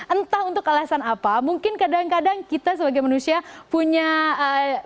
entah untuk alasan apa mungkin kadang kadang kita sebagai manusia punya ee